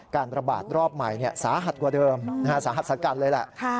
การระบาดรอบใหม่สาหัสกว่าเดิมสาหัสสากัดเลยแหละ